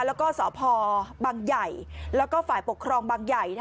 แล้วก็สพบังใหญ่แล้วก็ฝ่ายปกครองบางใหญ่